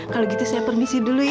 kalau gitu saya permisi dulu ya